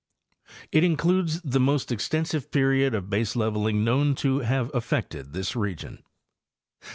It includes the most extensive period of baseleveling known to have affected this v9 'face.